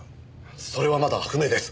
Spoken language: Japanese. それはまだ不明です。